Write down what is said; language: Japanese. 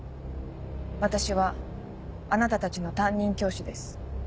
私はあなたたちの担任教師です。